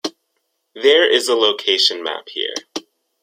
There is a location map here.